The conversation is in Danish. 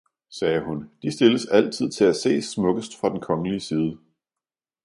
sagde hun, de stilles altid til at ses smukkest fra den kongelige side!